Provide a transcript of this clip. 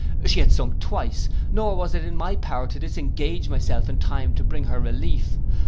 She had sunk twice, nor was it in my power to disengage myself in time to bring her relief.